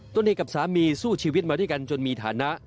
ตัวเองกับสามีสู้ชีวิตมาด้วยกันจนมีฐานะ